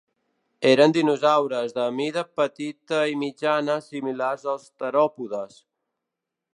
Eren dinosaures de mida petita i mitjana similars als teròpodes.